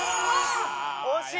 惜しい！